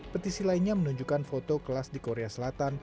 petisi lainnya menunjukkan foto kelas di korea selatan